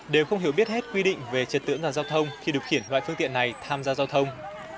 đều không hiểu biết hết quy định về trật tự an giao thông khi điều khiển loại phương tiện này tham gia giao thông